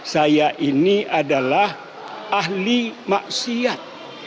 saya ini adalah ahli maksiat